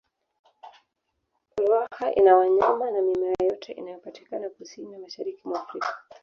ruaha ina wanyama na mimea yote inayopatikana kusini na mashariki mwa afrika